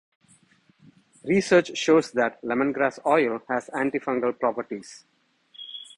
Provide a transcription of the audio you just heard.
Research shows that lemongrass oil has antifungal properties.